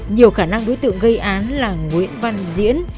nhiều khả năng đối tượng gây án là nguyễn văn diễn